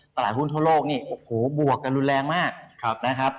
ตลาดหุ้นทั่วโลกนี่โอ้โหบวกกันรุนแรงมากนะครับ